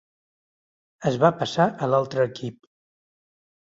Es va passar a l'altre equip.